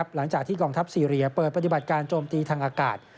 หลังจากที่กองทัพซีเรียเปิดปฏิบัติการโจมตีทางอากาศ